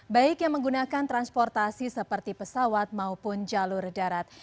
baik yang menggunakan transportasi seperti pesawat maupun jalur darat